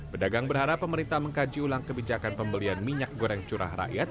pedagang berharap pemerintah mengkaji ulang kebijakan pembelian minyak goreng curah rakyat